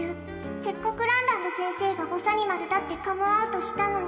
せっかくランランド先生がぼさにまるだってカムアウトしたのに。